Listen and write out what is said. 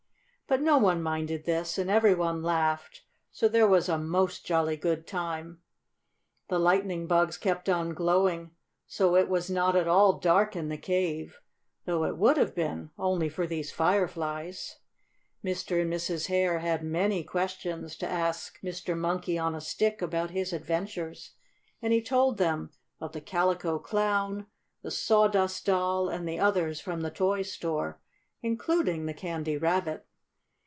But no one minded this, and every one laughed, so there was a most jolly good time. The lightning bugs kept on glowing, so it was not at all dark in the cave, though it would have been only for these fireflies. Mr. and Mrs. Hare had many questions to ask Mr. Monkey on a Stick about his adventures, and he told them of the Calico Clown, the Sawdust Doll and others from the toy store, including the Candy Rabbit.